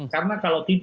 karena kalau tidak